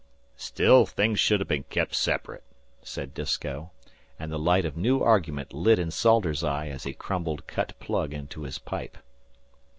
"Still, things should ha' been kep' sep'rate," said Disko, and the light of new argument lit in Salters's eye as he crumbled cut plug into his pipe.